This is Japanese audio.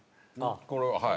これははい。